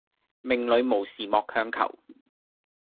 命裡無時莫強求